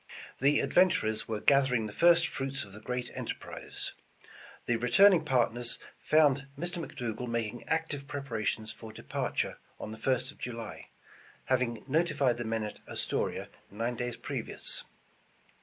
The adventurers were gathering the first fruits of the great enterprise. The returning partners found Mr. McDougal making ac tive preparation for departure on the 1st of July, hav ing notified the men at Astoria nine days previous.